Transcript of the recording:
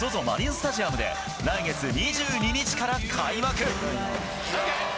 マリンスタジアムで来月２２日から開幕。